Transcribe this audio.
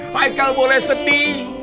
hai kal boleh sedih